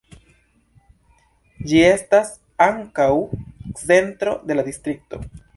Ĝi estas ankaŭ centro de distrikto.